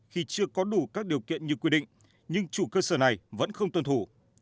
khi chưa có đủ các điều kiện như quy định nhưng chủ cơ sở này vẫn không tuân thủ